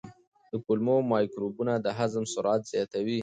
د کولمو مایکروبونه د هضم سرعت زیاتوي.